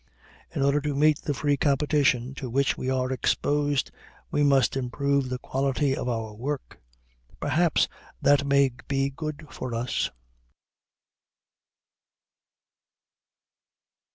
In order to meet the free competition to which we are exposed, we must improve the quality of our work. Perhaps that may be good for us.